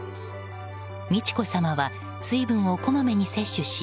美智子さまは水分をこまめに摂取し